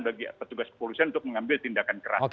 bagi petugas kepolisian untuk mengambil tindakan keras